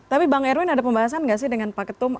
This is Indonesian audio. tapi bang erwin ada pembahasan nggak sih dengan pak ketum